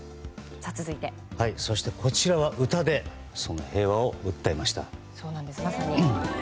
そしてこちらは歌で平和を訴えました。